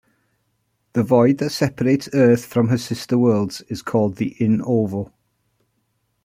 The void that separates Earth from her sister worlds is called the "In Ovo".